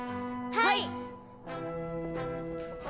はい！